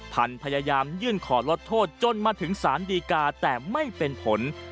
พยายามยื่นขอลดโทษจนมาถึงสารดีกาแต่ไม่เป็นผล